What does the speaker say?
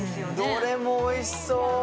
どれもおいしそう！